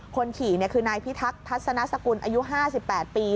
คนขี่คือนายพิทักษัศนสกุลอายุ๕๘ปี